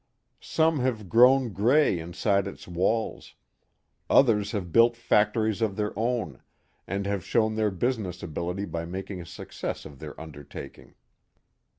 Some have grown gray inside its walls; others have built factories of their own, and have shown their business ability by making a success of their undertaking.